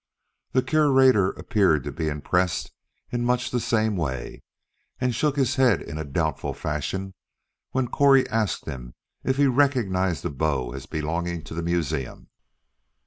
The Curator appeared to be impressed in much the same way, and shook his head in a doubtful fashion when Correy asked him if he recognized the bow as belonging to the museum.